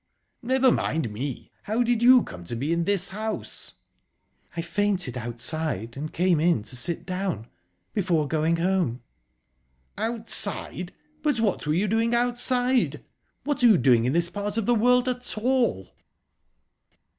"Never mind me. How did you come to be in this house?" "I fainted outside, and came in to sit down, before going home." "Outside? But what were you doing outside? What are you doing in this part of the world at all?"